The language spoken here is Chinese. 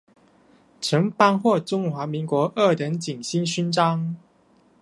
曾获颁中华民国二等景星勋章。